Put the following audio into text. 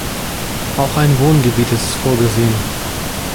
Auch ein Wohngebiet ist vorgesehen.